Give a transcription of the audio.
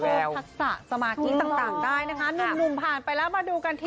แล้วก็็พาศาสมาคนิกต่างได้นะคะ